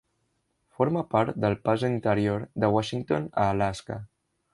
Forma part del pas interior de Washington a Alaska.